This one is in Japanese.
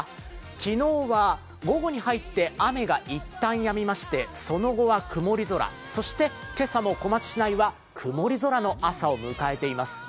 昨日は午後に入って雨がいったんやみましてその後は曇り空、そして今朝の小松市ないは曇り空の朝を迎えています。